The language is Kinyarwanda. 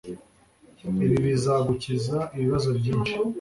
ibi bizagukiza ibibazo byinshi